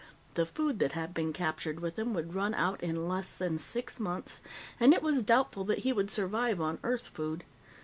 The food that had been captured with him would run out in less than six months, and it was doubtful that he would survive on Earth food.